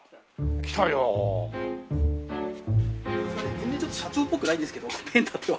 全然ちょっと社長っぽくないんですけどペン立ては。